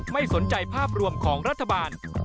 ไม่สนใจภาพรวมของรัฐบาล